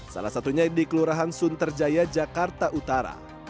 salah satunya di kelurahan sunterjaya jakarta utara